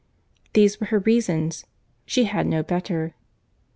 These were her reasons—she had no better.